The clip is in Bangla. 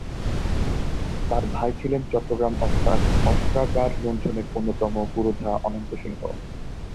তার ভাই ছিলেন চট্টগ্রাম অস্ত্রাগার লুণ্ঠনের অন্যতম পুরোধা অনন্ত সিংহ।